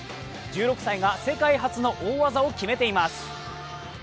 １６歳が世界初の大技を決めています。